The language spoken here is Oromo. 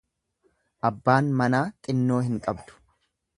Abbaan manaa xinnoo hin qabu.